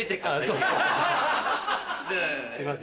すいません。